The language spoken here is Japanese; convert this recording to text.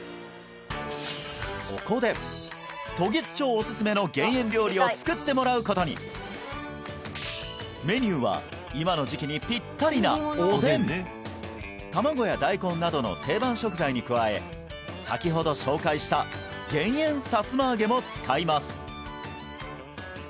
そこでを作ってもらうことにメニューは今の時期にぴったりなおでん卵や大根などの定番食材に加え先ほど紹介した減塩さつま揚げも使います